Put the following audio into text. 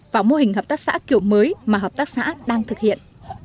và mô hình hợp tác xã kiểu mới mà hợp tác xã đang thực hiện